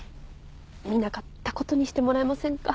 見なかったことにしてもらえませんか。